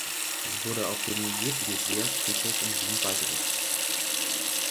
Sie wurde auf dem Jedleseer Friedhof in Wien beigesetzt.